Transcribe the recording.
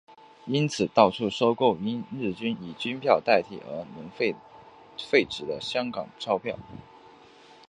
因此到处收购因日军以军票代替而沦为废纸的香港钞票。